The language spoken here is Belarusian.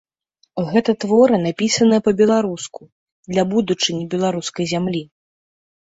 Гэта творы, напісаныя па-беларуску, для будучыні беларускай зямлі.